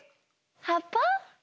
はっぱ？